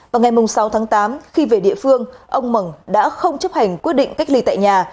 vào ngày sáu tháng tám khi về địa phương ông mẩn đã không chấp hành quyết định cách ly tại nhà